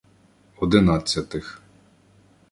Одинадцятих